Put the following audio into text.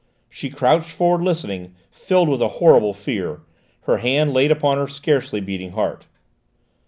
She crouched forward listening, filled with a horrible fear, her hand laid upon her scarcely beating heart.